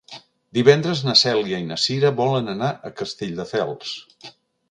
Divendres na Cèlia i na Cira volen anar a Castelldefels.